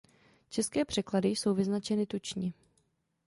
České překlady jsou vyznačeny tučně.